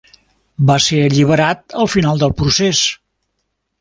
Va ser alliberat al final del procés.